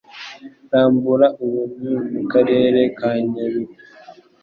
Rambura ubu ni mu Karere ka Nyabihu